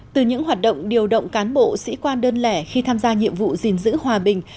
từ những hoạt động điều động cán bộ sĩ quan đơn lẻ khi tham gia nhiệm vụ gìn giữ hòa bình